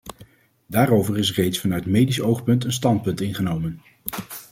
Daarover is reeds vanuit medisch oogpunt een standpunt ingenomen.